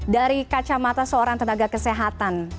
dari kacamata seorang tenaga kesehatan